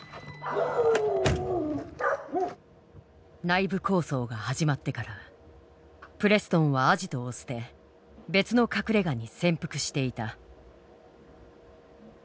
内部抗争が始まってからプレストンはアジトを捨て別の隠れがに潜伏していた。